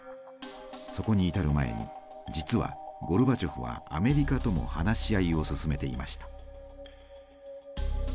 そこに至る前に実はゴルバチョフはアメリカとも話し合いを進めていました。